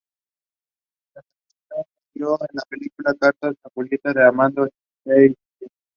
La canción salió en la película: Cartas a Julieta, de Amanda Seyfried.